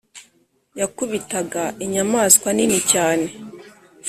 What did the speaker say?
yakubitaga inyamaswa nini cyane